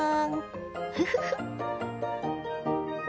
フフフ。